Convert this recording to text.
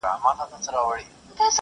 مشرکان مجبور سول، چي غبرګون وښيي.